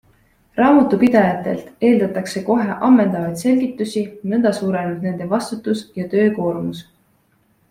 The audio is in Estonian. Raamatupidajatelt eeldatakse kohe ammendavaid selgitusi, nõnda suureneb nende vastutus ja töökoormus.